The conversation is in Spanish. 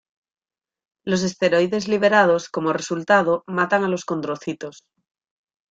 Los esteroides liberados como resultado matan a los condrocitos.